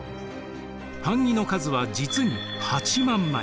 版木の数は実に８万枚。